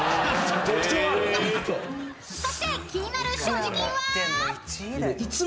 ［そして気になる所持金は］